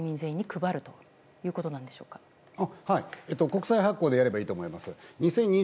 国債発行でやればいいと思います。